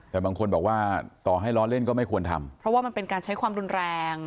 แต่บางคนบอกว่าต่อให้ล้อเล่นก็ไม่ควรทำเพราะว่ามันเป็นการใช้ความรุนแรง